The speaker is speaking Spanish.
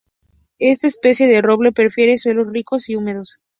Esta especie de roble prefiere suelos ricos y húmedos.